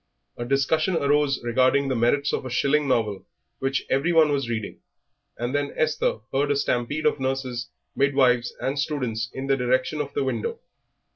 A discussion arose regarding the merits of a shilling novel which every one was reading, and then Esther heard a stampede of nurses, midwives, and students in the direction of the window.